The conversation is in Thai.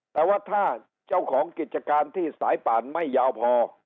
แต่ว่าถ้าเจ้าของกิจการที่สายป่านไม่ยาวพอ